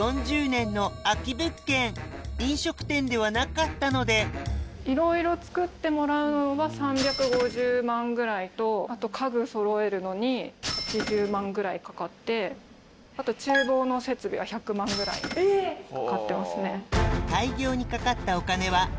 飲食店ではなかったのでいろいろ造ってもらうんは３５０万ぐらいとあと家具そろえるのに８０万ぐらいかかってあと厨房の設備は１００万ぐらいかかってますね。